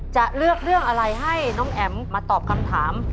จะเลือกเรื่องอะไรให้น้องแอ๋มมาตอบคำถาม